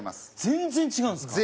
全然違うんですか？